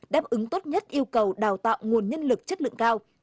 đáp ứng tốt nhất yêu cầu đào tạo nguồn nhân lực chất lượng cao